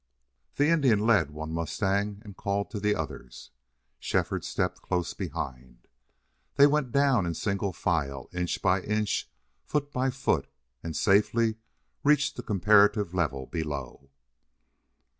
The Indian led one mustang and called to the others. Shefford stepped close behind. They went down in single file, inch by inch, foot by foot, and safely reached the comparative level below.